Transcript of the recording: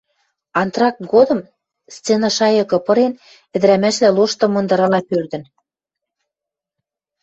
Антракт годым, сцена шайыкы пырен, ӹдӹрӓмӓшвлӓ лошты мындырала пӧрдӹн.